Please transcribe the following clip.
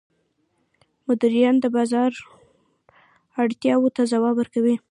مدیران د بازار اړتیاوو ته ځواب ورکوي.